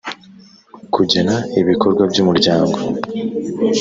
kugena ibikorwa by umuryango